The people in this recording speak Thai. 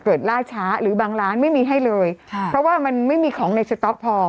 ล่าช้าหรือบางร้านไม่มีให้เลยค่ะเพราะว่ามันไม่มีของในสต๊อกพอ